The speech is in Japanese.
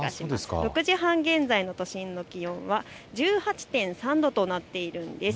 ６時半現在の都心の気温は１８．３度となっているんです。